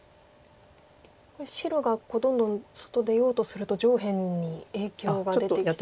白がどんどん外出ようとすると上辺に影響が出てきそうですか。